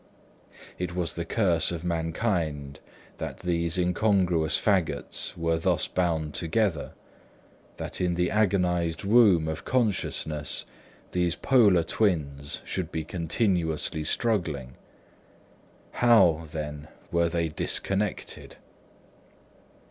It was the curse of mankind that these incongruous faggots were thus bound together—that in the agonised womb of consciousness, these polar twins should be continuously struggling. How, then were they dissociated?